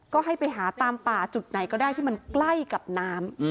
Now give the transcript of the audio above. ก็ให้ไปหาตามป่าจุดไหนก็ได้ที่มันใกล้กับน้ำ